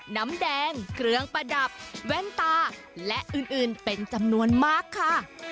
น้ำแดงเครื่องประดับแว่นตาและอื่นเป็นจำนวนมากค่ะ